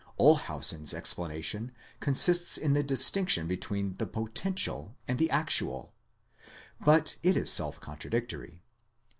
Olshausen's explanation consists in the distinction between the potential and the actual ; but it is self contradictory.